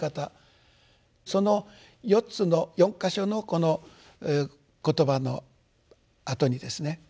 その４つの４か所のこの言葉のあとにですね